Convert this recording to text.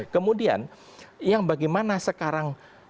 kemudian yang bagaimana sekarang